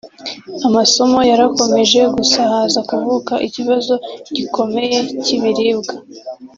Amasomo yarakomeje gusa haza kuvuka ikibazo gikomeye cy’ibiribwa